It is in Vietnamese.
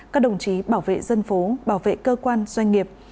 các đồng chí bảo vệ dân phố bảo vệ cơ quan doanh nghiệp